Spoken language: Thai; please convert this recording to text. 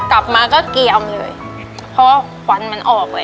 กลับมาก็เกียมเลยเพราะว่าควันมันออกเลย